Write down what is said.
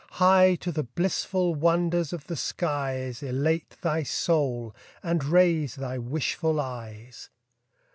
High to the blissful wonders of the skies Elate thy soul, and raise thy wishful eyes.